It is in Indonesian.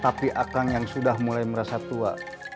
tapi akang yang sudah mulai merasa tua